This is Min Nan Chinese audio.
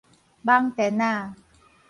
蠓電仔